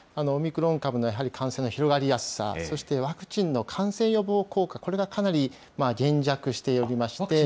オミクロン株のやはり感染の広がりやすさ、そしてワクチンの感染予防効果、これがかなり減弱しておりまして。